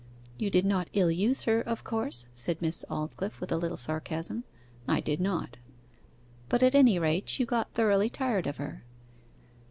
'You did not ill use her, of course?' said Miss Aldclyffe, with a little sarcasm. 'I did not.' 'But at any rate, you got thoroughly tired of her.